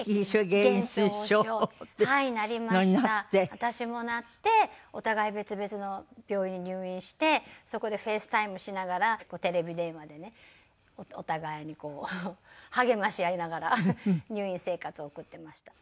私もなってお互い別々の病院に入院してそこでＦａｃｅＴｉｍｅしながらテレビ電話でねお互いに励まし合いながら入院生活を送っていました。